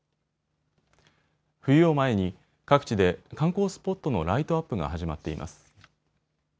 冬を前に各地で観光スポットのライトアップが始まっています。